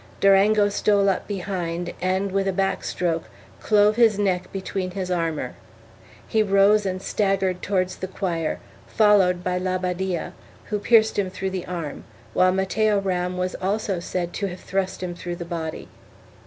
Durango stole up behind and, with a back stroke, clove his neck between his armor. He rose and staggered towards the choir, followed by la Badia, who pierced him through the arm, while Mateo Ram was also said to have thrust him through the body.